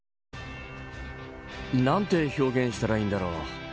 何て表現したらいいんだろう。